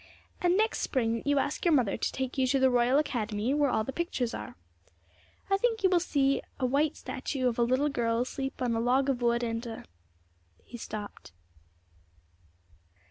And next spring you ask your mother to take you to the Royal Academy, where all the pictures are. I think you will see a white statue of a little girl asleep on a log of wood, and a ' He stopped.